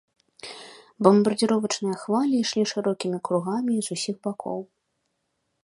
Бамбардзіровачныя хвалі ішлі шырокімі кругамі і з усіх бакоў.